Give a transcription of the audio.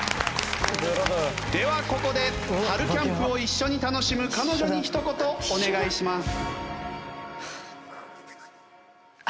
ではここで春キャンプを一緒に楽しむ彼女にひと言お願いします。